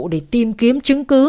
để tìm kiếm những lập luận lô rích